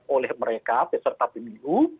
oleh mereka peserta pemilu